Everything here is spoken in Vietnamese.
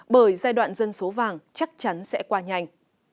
bởi giai đoạn dân số vàng chắc chắn sẽ qua nhanh